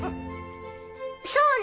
そうね！